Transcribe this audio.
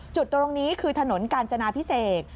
จุดตรงนี้คือถนนกาญจนาพิเศษ